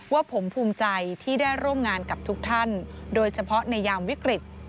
ว่าผมภูมิใจที่ได้ร่วมงานกับทุกท่านโดยเฉพาะในยามวิกฤต